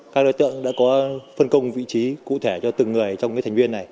các đối tượng đã có phân công vị trí cụ thể cho từng người trong thành viên này